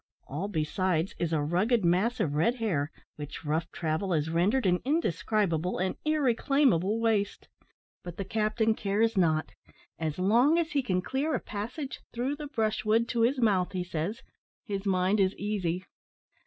All besides is a rugged mass of red hair, which rough travel has rendered an indescribable and irreclaimable waste. But the captain cares not: as long as he can clear a passage through the brushwood to his mouth, he says, his mind is easy.